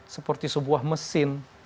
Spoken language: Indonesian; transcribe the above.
seperti sebuah mesin